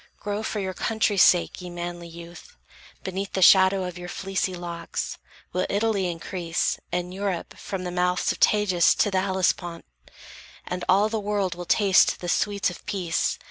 Grow for your country's sake, ye manly youth! Beneath the shadow of your fleecy locks, Will Italy increase, and Europe from The mouths of Tagus to the Hellespont, And all the world will taste the sweets of peace.